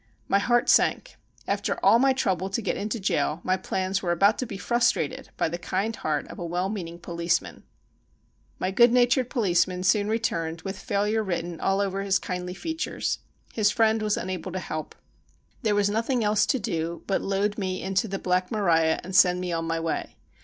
My heart sank. After all my trouble to get into jail, my plans were about to be frustrated by the kind heart of a well meaning policeman ! My good natured policeman soon returned with failure written all over his kindly features. His friend was unable to help. There was nothing else to do but load me into the "Black Maria" and send me on my way.